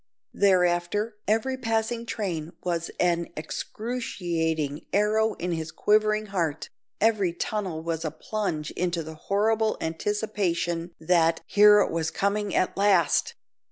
Thereafter, every passing train was an excruciating arrow in his quivering heart, every tunnel was a plunge into the horrible anticipation that "here it was coming at last!"